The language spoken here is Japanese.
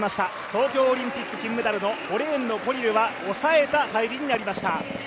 東京オリンピック金メダルの５レーンのコリルは抑えた入りになりました。